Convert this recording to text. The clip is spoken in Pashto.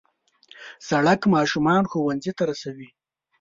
سړک ماشومان ښوونځي ته رسوي.